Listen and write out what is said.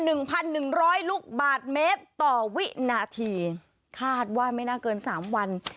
หนึ่งพันหนึ่งร้อยลูกบาทเมตรต่อวินาทีคาดว่าไม่น่าเกินสามวัน